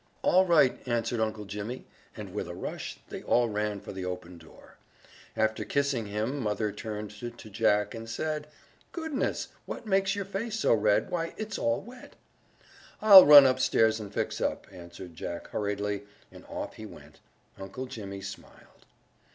"All right," answered Uncle Jimmy, and with a rush they all ran for the open door. After kissing him mother turned to Jack and said: "Goodness, what makes your face so red? Why, it's all wet!" "I'll run up stairs and fix up," answered Jack hurriedly, and off he went. Uncle Jimmy smiled.